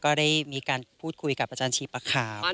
ก็ได้มีการพูดคุยกับอาจารย์ชีปะขาม